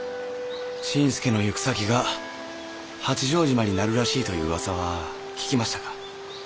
新助の行く先が八丈島になるらしいという噂は聞きましたか？